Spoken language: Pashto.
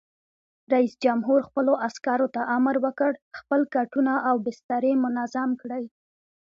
رئیس جمهور خپلو عسکرو ته امر وکړ؛ خپل کټونه او بسترې منظم کړئ!